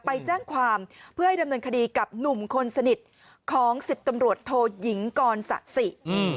ไปแจ้งความเพื่อให้ดำเนินคดีกับหนุ่มคนสนิทของ๑๐ตำรวจโทยิงกรสะสิ